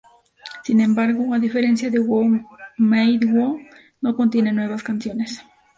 Sin embargo, a diferencia de "Who Made Who", no contiene nuevas canciones.